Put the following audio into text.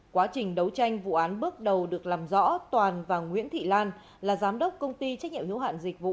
quá trình đấu tranh vụ án bước đầu được làm rõ toàn và nguyễn thị lan là giám đốc công ty trách nhiệm hữu hạn dịch vụ